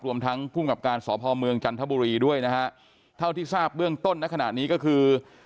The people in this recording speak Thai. รวมทั้งผู้มังคับการสอบภอมเมืองจันทบุรีด้วยนะฮะเท่าที่ทราบเรื่องต้นนะขนาดนี้ก็คือ